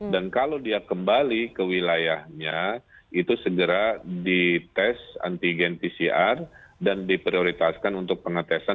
dan kalau dia kembali ke wilayahnya itu segera dites antigen pcr dan diprioritaskan untuk pengetesan